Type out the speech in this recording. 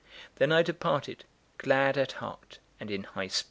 Then I departed, glad at heart and in high spirits.